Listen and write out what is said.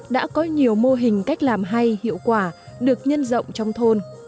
đã có nhiều mô hình cách làm hay hiệu quả được nhân rộng trong thôn